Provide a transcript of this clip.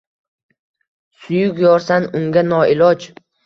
Suyuk yorsan unga noiloj…